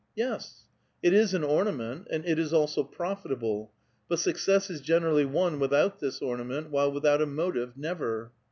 " ''Yes. It is an ornament, and it is also profitable; but success is generally won without this ornament, while without a motive, never